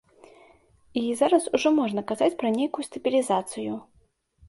І зараз ужо можна казаць пра нейкую стабілізацыю.